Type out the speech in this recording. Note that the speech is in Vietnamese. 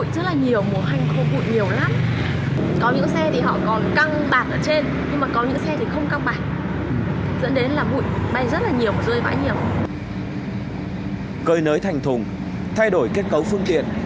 cơi nới thành thùng thay đổi kết cấu phương tiện